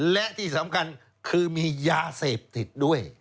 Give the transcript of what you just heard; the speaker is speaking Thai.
และที่สำคัญคือมียาเสพติดด้วย